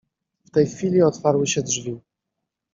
W tej chwili otwarły się drzwi.